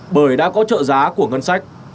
bởi đã có trợ giá của ngân sách